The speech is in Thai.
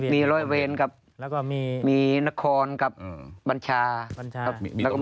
มีร้อยเวรกับมีนครกับบัญชาครับ